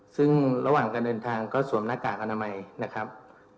ซึ่งระหว่างการเดินทางก็สวมหน้ากากอนามัยนะครับ